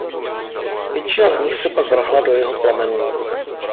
Většina z nich se pak vrhla do jeho plamenů.